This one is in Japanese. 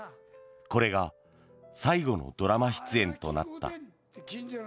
これが最後のドラマ出演となった。